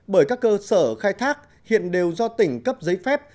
bởi các cơ sở khai thác hiện đều do tỉnh cấp giấy phép